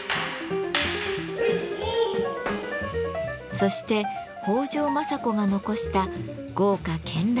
そして北条政子が残した豪華絢爛な化粧箱。